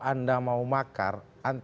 anda mau makar